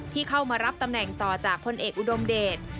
ที่เข้ามารับตำแหน่งต่อจากพลเอกอุดมเดช